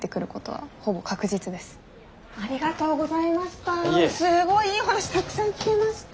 すごいいいお話たくさん聞けました。